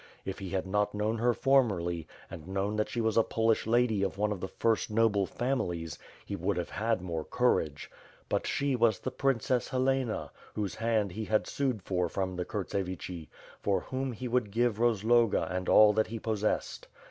If he had not known her formerly, and known that she was a Polish lady of one of the first noble families, he would have had more courage — ^but she was the Princess Helena, whose hand he had sued for from the Kurtsevichi; for whom he would give Rozloga and all that he possessed.